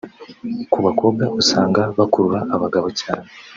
Ku bakobwa usanga bakurura abagabo cyane